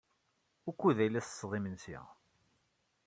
Wukud ay la tettetted imensi?